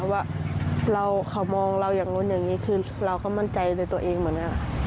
ว่าเขามองเราอย่างนู้นอย่างนี้คือเราก็มั่นใจในตัวเองเหมือนกัน